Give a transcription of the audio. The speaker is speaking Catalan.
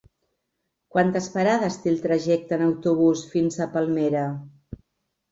Quantes parades té el trajecte en autobús fins a Palmera?